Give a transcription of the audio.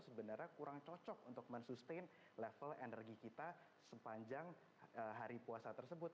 sebenarnya kurang cocok untuk men sustain level energi kita sepanjang hari puasa tersebut